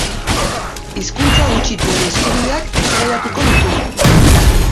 Hizkuntza gutxituen eskubideak eztabaidatuko ditugu.